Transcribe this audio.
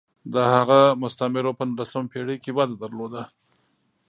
د هغو مستعمرو په نولسمه پېړۍ کې وده درلوده.